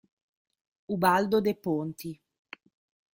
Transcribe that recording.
Ubaldo De Ponti